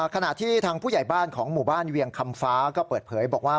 ขณะที่ทางผู้ใหญ่บ้านของหมู่บ้านเวียงคำฟ้าก็เปิดเผยบอกว่า